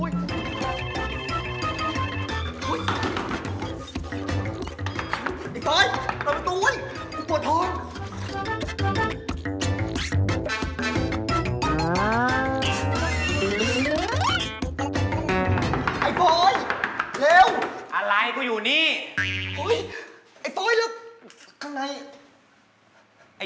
นี่น่าจะลืมอะไรก่อนไหมครับ